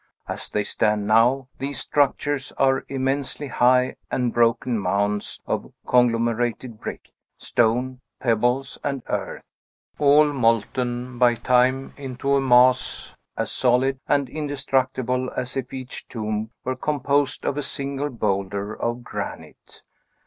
As they stand now, these structures are immensely high and broken mounds of conglomerated brick, stone, pebbles, and earth, all molten by time into a mass as solid and indestructible as if each tomb were composed of a single boulder of granite.